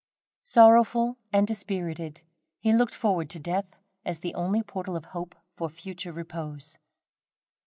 Sorrowful and dispirited, he looked forward to death as the only portal of hope for future repose.